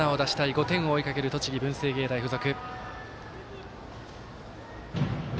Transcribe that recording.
５点を追いかける栃木、文星芸大付属。